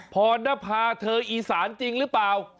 รณภาเธออีสานจริงหรือเปล่า